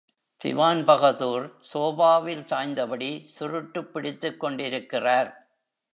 திவான்பகதூர் சோபாவில் சாய்ந்தபடி சுருட்டுப் பிடித்துக்கொண்டிருக்கிறார்.